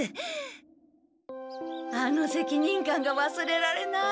あの責任感がわすれられない。